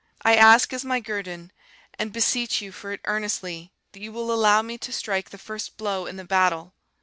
I ask as my guerdon, and beseech you for it earnestly, that you will allow me to strike the first blow in the battle!'